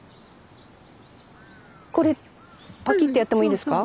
これパキッてやってもいいですか？